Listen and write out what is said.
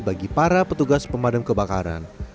bagi para petugas pemadam kebakaran